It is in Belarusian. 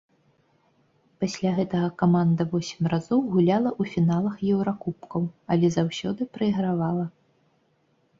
Пасля гэтага каманда восем разоў гуляла у фіналах еўракубкаў, але заўсёды прайгравала.